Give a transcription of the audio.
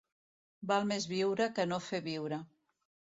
Val més viure que no fer viure.